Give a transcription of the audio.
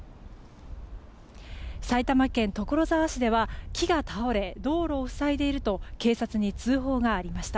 埼玉県所沢市では木が倒れ道路を塞いでいると警察に通報がありました。